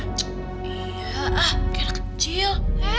iya kayaknya kecil